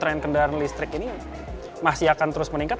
tren kendaraan listrik ini masih akan terus meningkat